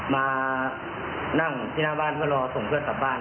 มานั่งที่หน้าบ้านเพื่อรอส่งเพื่อนกลับบ้าน